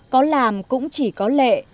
có làm cũng chỉ có lệ